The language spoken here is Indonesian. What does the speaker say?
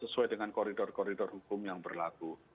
sesuai dengan koridor koridor hukum yang berlaku